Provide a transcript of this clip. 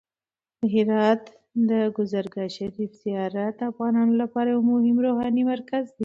د هرات د کازرګاه شریف زیارت د افغانانو لپاره یو مهم روحاني مرکز دی.